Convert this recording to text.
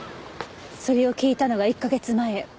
それを聞いたのが１か月前。